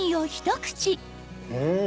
うん！